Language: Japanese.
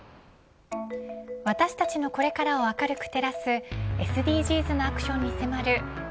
私たちのこれからを明るく照らすＳＤＧｓなアクションに迫る＃